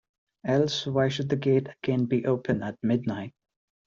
Else why should the gate again be open at midnight?